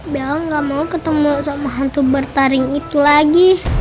bilang gak mau ketemu sama hantu bertaring itu lagi